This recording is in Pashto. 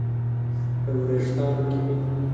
په ویښتانو کې مې